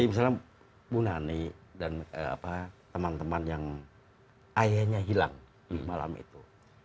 ya seperti misalnya ibu nani dan teman teman yang ayahnya hilang malam itu